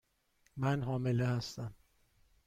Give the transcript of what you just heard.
من حامله هستم.